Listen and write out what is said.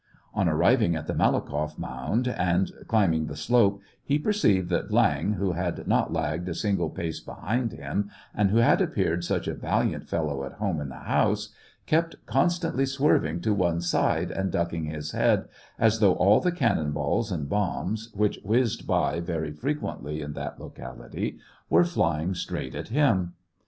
On arriving at the Malakoff mound, and climb ing the slope, he perceived that Viang, who had not lagged a single pace behind him, and who had appeared such a valiant fellow at home in the house, kept constantly swerving to one side, and ducking his head, as though all the cannon balls and bombs, which whizzed by very frequently in that locality, were flying straight at him.